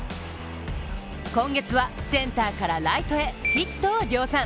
今月はセンターからライトへヒットを量産。